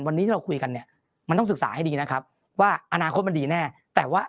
วันนี้ที่เราคุยกันเนี่ยมันต้องศึกษาให้ดีนะครับว่าอนาคตมันดีแน่แต่ว่า